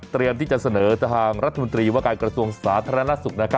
ที่จะเสนอทางรัฐมนตรีว่าการกระทรวงสาธารณสุข